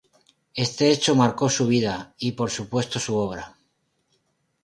Este hecho marcó su vida y por supuesto su obra.